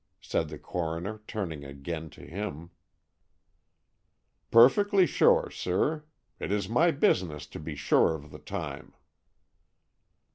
said the coroner, turning again to him. "Perfectly sure, sir. It is my business to be sure of the time."